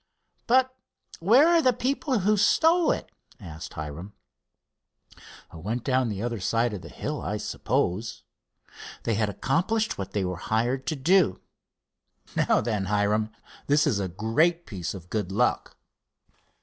"But where are the people who stole it?" asked Hiram. "Went down the other side of the hill, I suppose. They had accomplished what they were hired to do. Now then, Hiram, this is a great piece of good luck."